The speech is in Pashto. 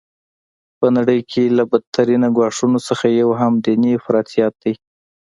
په نړۍ کي له بد ترینه ګواښونو څخه یو هم دیني افراطیت دی.